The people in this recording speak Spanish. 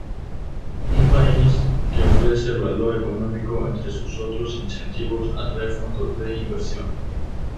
Un país que ofrece valor económico entre sus otros incentivos atrae fondos de inversión.